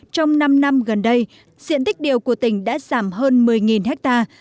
trong năm năm gần đây diện tích điều của tỉnh đã giảm hơn một mươi hectare